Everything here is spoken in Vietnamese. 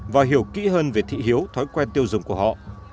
và hiểu kỹ hơn về thị hiếu thói quen tiêu dùng của họ